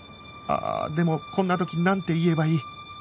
ああでもこんな時なんて言えばいい？